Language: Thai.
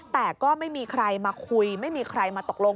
แต่ก็ไม่มีใครมาคุยไม่มีใครมาตกลง